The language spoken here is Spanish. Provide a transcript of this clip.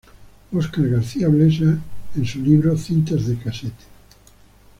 Óscar García Blesa en su libro "Cintas de cassette.